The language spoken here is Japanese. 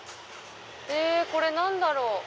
へぇこれ何だろう？